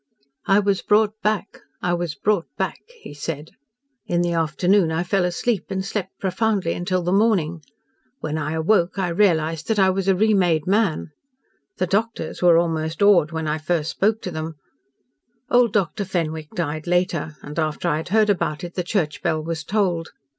"I was brought back I was brought back," he said. "In the afternoon I fell asleep and slept profoundly until the morning. When I awoke, I realised that I was a remade man. The doctors were almost awed when I first spoke to them. Old Dr. Fenwick died later, and, after I had heard about it, the church bell was tolled.